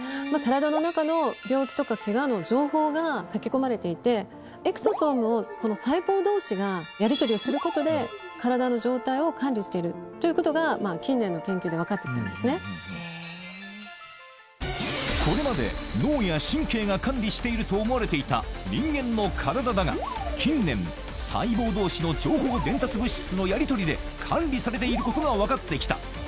体の中の病気とかけがの情報が書き込まれていて、エクソソームをこの細胞どうしが、やり取りすることで、体の状態を管理しているということが、近年の研究で分かってきたこれまで、脳や神経が管理していると思われていた人間の体だが、近年、細胞どうしの情報伝達物質のやり取りで、管理されていることが分かってきた。